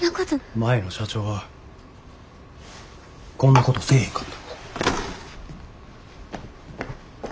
前の社長はこんなことせえへんかった。